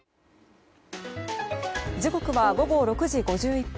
時刻は午後６時５１分。